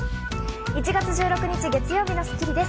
１月１６日、月曜日の『スッキリ』です。